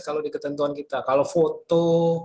kalau di ketentuan kita kalau foto